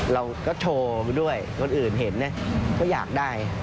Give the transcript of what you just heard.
เราก็โชว์ไปด้วยคนอื่นเห็นก็อยากได้